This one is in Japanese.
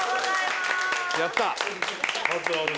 やったー！